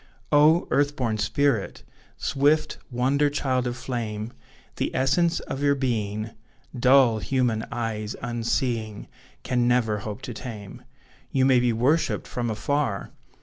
Oh! earth born spirit! Swift wonder child of flame; The essence of your being, Dull human eyes, unseeing, Can never hope to tame; You may be worshipped from afar!